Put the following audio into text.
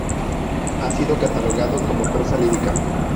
Ha sido catalogado como prosa lírica.